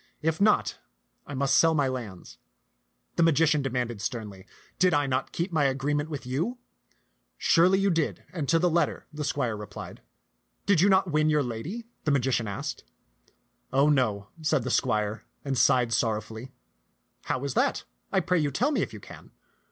If not, I must sell my lands." The magician demanded sternly, "Did I not keep my agreement with you?" "Surely you did, and to the letter," the squire re plied. 200 ti}t panUxn'B tcdt " Did you not win your lady ?" the magician asked. " Oh no," said the squire, and sighed sorrowfully. " How was that ? I pray you tell me if you can."